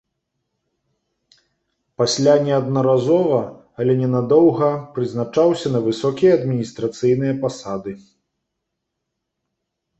Пасля неаднаразова, але ненадоўга прызначаўся на высокія адміністрацыйныя пасады.